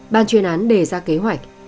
bạn truyền án đề ra kế hoạch